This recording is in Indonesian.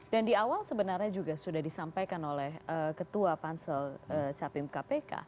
dan di awal sebenarnya juga sudah disampaikan oleh ketua pansel capim kpk